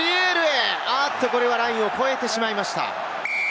これはラインを超えてしまいました。